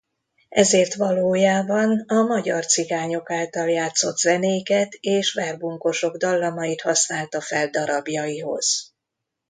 Ezért valójában a magyar cigányok által játszott zenéket és verbunkosok dallamait használta fel darabjaihoz.